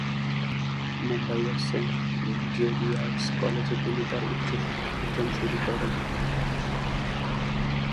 মুম্বাই-এর Saint Xavier's কলেজে তিনি তার উচ্চশিক্ষা অর্জন শুরু করেন।